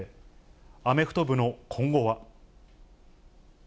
アメフト部の今後は。